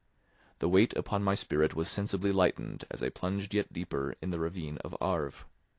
The weight upon my spirit was sensibly lightened as I plunged yet deeper in the ravine of Arve.